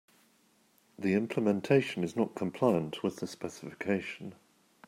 The implementation is not compliant with the specification.